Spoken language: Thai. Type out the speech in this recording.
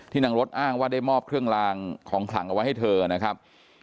นางรถอ้างว่าได้มอบเครื่องลางของขลังเอาไว้ให้เธอนะครับ